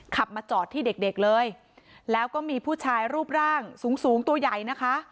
ขับมาจอดที่เด็กเด็กเลยแล้วก็มีผู้ชายรูปร่างสูงสูงตัวใหญ่นะคะ